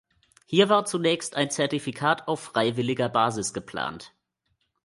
Hier war zunächst ein Zertifikat auf freiwilliger Basis geplant.